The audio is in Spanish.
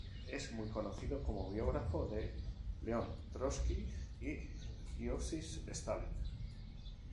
Es muy conocido como biógrafo de León Trotsky y Iósif Stalin.